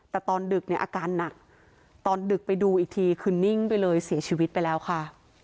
แต่ตอนดึกเนี่ยอาการหนักตอนดึกไปดูอีกทีคือนิ่งไปเลยเสียชีวิตไปแล้วค่ะ